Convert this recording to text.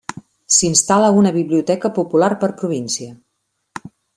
S'instal·la una biblioteca popular per província: